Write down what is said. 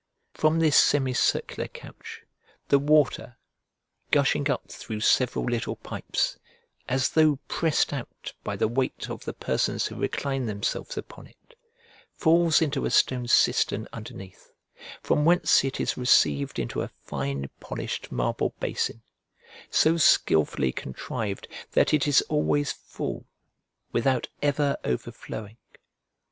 From this semicircular couch, the water, gushing up through several little pipes, as though pressed out by the weight of the persons who recline themselves upon it, falls into a stone cistern underneath, from whence it is received into a fine polished marble basin, so skilfully contrived that it is always full without ever overflowing.